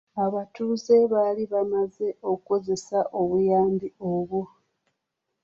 Abatuze baali bamaze okukozesa obuyambi obwo.